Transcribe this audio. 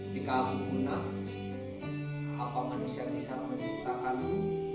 jika aku punah apa kau manusia bisa menciptakanmu